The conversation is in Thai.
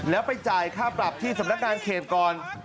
แล้วไปจ่ายค่าปรับที่สำนักงานเขตก่อน